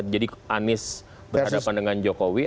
jadi anies berhadapan dengan jokowi